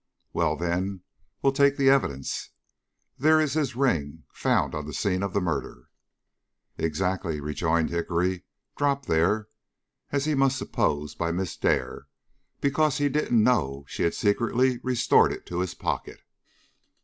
"Well, then, we'll take the evidence. There is his ring, found on the scene of murder." "Exactly," rejoined Hickory. "Dropped there, as he must suppose, by Miss Dare, because he didn't know she had secretly restored it to his pocket."